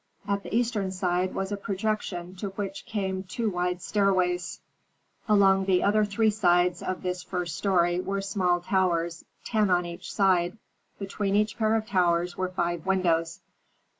At the eastern side was a projection to which came two wide stairways. Along the other three sides of this first story were small towers, ten on each side; between each pair of towers were five windows.